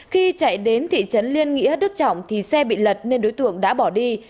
khi chạy đến thị trấn liên nghĩa đức trọng thì xe bị lật nên đối tượng đã bỏ đi